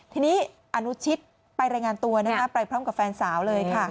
ทีนี้อนุชิตไปรายงานตัวไปพร้อมกับแฟนสาวเลยค่ะ